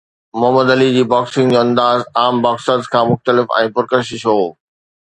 Muhammad Ali جي boxing جو انداز عام باڪسرز کان مختلف ۽ پرڪشش هو